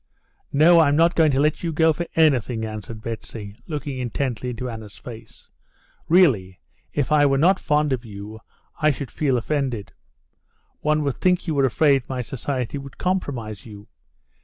"No. I'm not going to let you go for anything," answered Betsy, looking intently into Anna's face. "Really, if I were not fond of you, I should feel offended. One would think you were afraid my society would compromise you.